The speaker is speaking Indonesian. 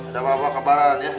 udah apa apa kabaran ya